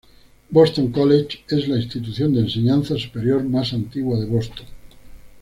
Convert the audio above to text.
Boston College es la institución de enseñanza superior más antigua de Boston.